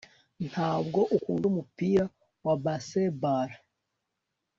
ntabwo ukunda umupira wa baseball